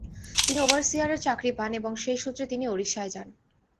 তিনি ওভারসিয়ারের চাকরি পান এবং সেই সূত্রে তিনি ওড়িশায় যান।